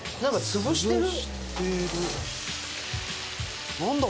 潰してる？